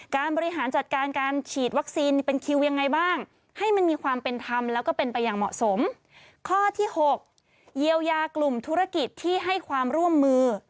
การบริหารจัดการการฉีดวัคซีนเป็นคิวยังไงบ้างให้มีความเป็นธรรมและเป็นไปอย่างเหมาะสม